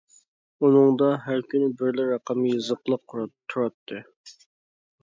ئۇنىڭدا ھەر كۈنى بىرلا رەقەم يېزىقلىق تۇراتتى.